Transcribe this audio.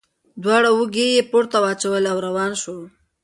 دواړه اوږې یې پورته واچولې او روان شو.